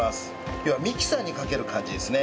要はミキサーにかける感じですね。